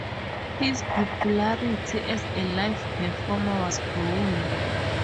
His popularity as a live performer was growing.